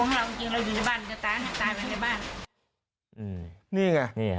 มันจะดวงเราจริงเราอยู่ในบ้านจะตายตายไปในบ้าน